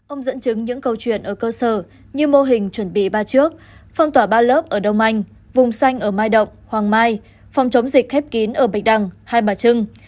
ông dẫn chứng những câu chuyện ở cơ sở như mô hình chuẩn bị ba trước phong tỏa ba lớp ở đông anh vùng xanh ở mai động hoàng mai phòng chống dịch khép kín ở bạch đằng hai bà trưng